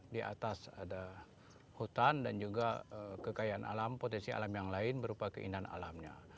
di atas ada hutan dan juga kekayaan alam potensi alam yang lain berupa keindahan alamnya